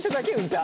歌。